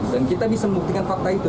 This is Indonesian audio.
dan kita bisa membuktikan fakta itu